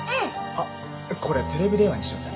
あっこれテレビ電話にしようぜ。